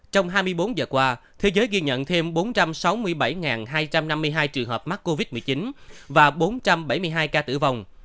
trong hai mươi bốn giờ qua thế giới ghi nhận thêm bốn trăm sáu mươi bảy hai trăm năm mươi hai trường hợp mắc covid một mươi chín và bốn trăm bảy mươi hai ca tử vong